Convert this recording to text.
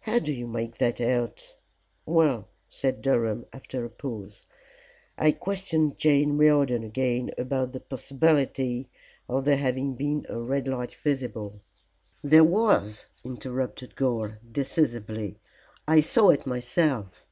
"How do you make that out?" "Well," said Durham, after a pause, "I questioned Jane Riordan again about the possibility of there having been a red light visible!" "There was," interrupted Gore, decisively. "I saw it myself."